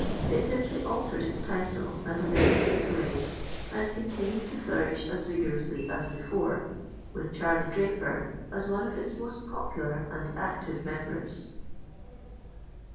It simply altered its title and amended its ways, and continued to flourish as vigorously as before, with Charlie Draper as one of its most popular and active members.